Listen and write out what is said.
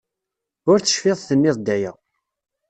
Ur tecfiḍ tenniḍ-d aya.